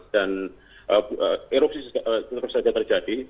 dan erupsi terus saja terjadi